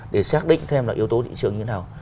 để xác định xem là yếu tố thị trường như thế nào